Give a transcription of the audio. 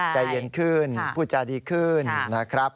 ใจเย็นขึ้นพูดจ่าดีขึ้น